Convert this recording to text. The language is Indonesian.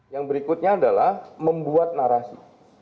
yang berikutnya adalah membuat narasi